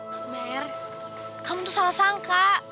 amer kamu tuh salah sangka